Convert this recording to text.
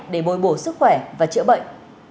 để bồi bổ sức khỏe và chữa bệnh